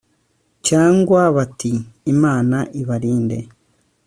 cyangwa bati: "imana ibarinde."